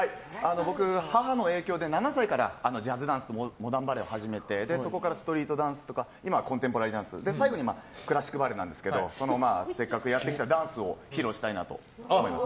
僕、母の影響で７歳からジャズダンスとモダンバレエをやっていてそこからストリートダンスとか今はコンテンポラリーダンス最後にクラシックバレエなんですけどせっかくやってきたダンスを披露したいなと思います。